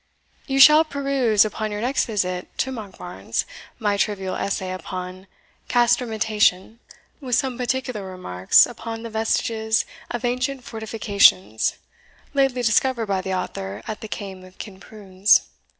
You shall peruse, upon your next visit to Monkbarns, my trivial Essay upon Castrametation, with some particular Remarks upon the Vestiges of Ancient Fortifications lately discovered by the Author at the Kaim of Kinprunes.